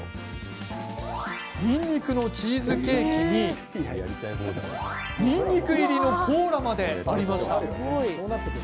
にんにくのチーズケーキににんにく入りのコーラまでありました。